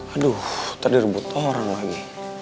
aduh tadi rebut orang lagi